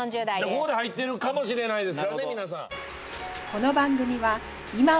ここで入ってるかもしれないですからね皆さん。